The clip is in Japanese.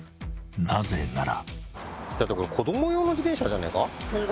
［なぜなら］